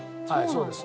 そうです。